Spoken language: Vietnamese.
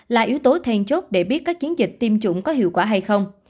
là yếu tố then chốt để biết các chiến dịch tiêm chủng có hiệu quả hay không